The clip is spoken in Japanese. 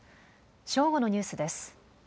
正午のニュースです。